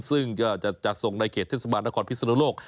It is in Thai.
ซึ่งจะจัดส่งในเขตเทศบาลนครพิศนุโลก